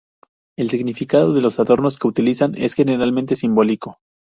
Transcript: El significado de los adornos que utilizan es generalmente simbólico.